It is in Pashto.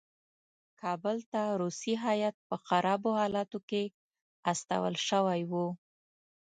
کابل ته روسي هیات په خرابو حالاتو کې استول شوی وو.